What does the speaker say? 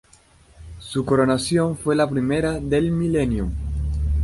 Su coronación fue la primera del milenio.